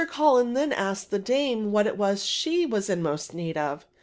CuUen then asked the dame what it was she stood most in need of.